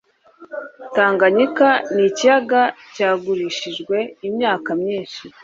tanganyika nikiyaga cyagurishijwe imyaka myinshi